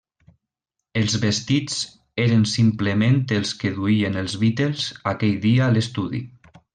Els vestits eren simplement els que duien els Beatles aquell dia a l'estudi.